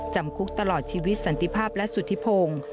จำคุกตลอดชีวิตสันติภาพและสุธิพงศ์